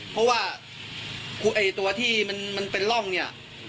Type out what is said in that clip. เพราะว่าตัวที่มันเป็นร่องเนี่ย